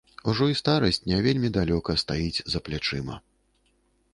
Ужо і старасць не вельмі далёка стаіць за плячыма.